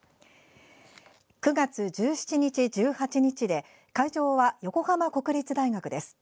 ９月１７日、１８日で会場は横浜国立大学です。